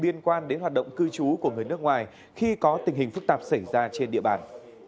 liên quan đến hoạt động cư trú của người nước ngoài khi có tình hình phức tạp xảy ra trên địa bàn